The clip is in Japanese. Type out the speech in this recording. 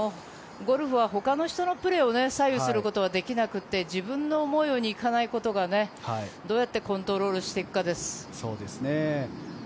いらだってるのは、ゴルフは他の人のプレーを左右することができなくて自分の思うようにいかないことをどうやってコントロールしていくかです。